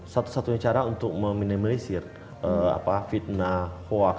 satu satunya cara untuk meminimalisir fitnah hoax